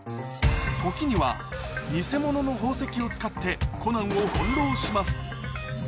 時にはニセモノの宝石を使ってコナンを翻弄します